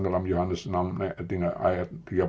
dalam yohanes enam ayat tiga puluh lima